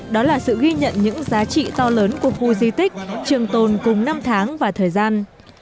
đó là sự ghi nhận những giá trị to lớn của khu di tích trường tồn cùng năm tháng và thời gian